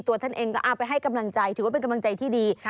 ท่านเองก็ไปให้กำลังใจถือว่าเป็นกำลังใจที่ดี